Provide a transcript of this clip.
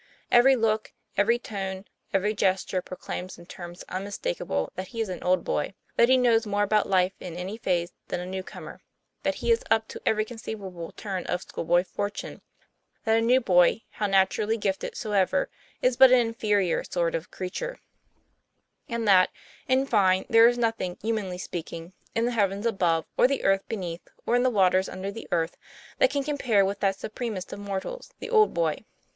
Every look, every tone, every gesture proclaims in terms unmis takable that he is an old boy; that he knows more about life in any phase than a new comer; that he is up to every conceivable turn of school boy fortune; that a new boy, how naturally gifted soever, is but an inferior sort of creature; and that, in fine, there is nothing, humanly speaking, in the heavens above or the earth beneath, or in the waters under the earth, that can compare with that supremest of mortals the old boy.